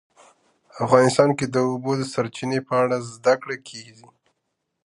افغانستان کې د د اوبو سرچینې په اړه زده کړه کېږي.